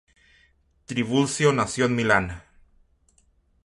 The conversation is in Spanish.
Trivulzio nació en Milán.